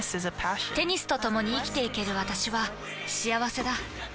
テニスとともに生きていける私は幸せだ。